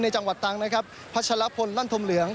จังหวัดตังนะครับพัชรพลลั่นธมเหลือง